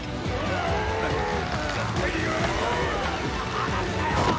「離すなよ！」